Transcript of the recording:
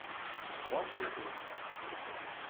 moi, j'ai été aimé.